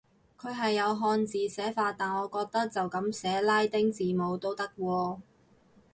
佢係有漢字寫法，但我覺得就噉寫拉丁字母都得喎